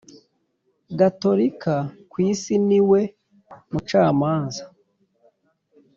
Gatolika ku isi ni we mucamanza